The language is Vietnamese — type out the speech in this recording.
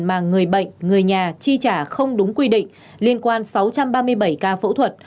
mà người bệnh người nhà chi trả không đúng quy định liên quan sáu trăm ba mươi bảy ca phẫu thuật